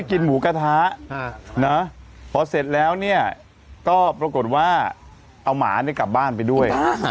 กินหมูกระทะพอเสร็จแล้วเนี่ยก็ปรากฏว่าเอาหมาเนี่ยกลับบ้านไปด้วย